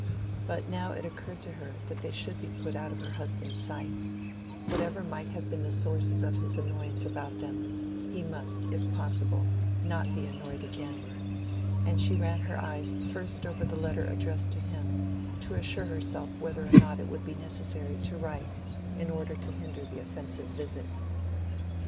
But now it occurred to her that they should be put out of her husband's sight: whatever might have been the sources of his annoyance about them, he must, if possible, not be annoyed again; and she ran her eyes first over the letter addressed to him to assure herself whether or not it would be necessary to write in order to hinder the offensive visit.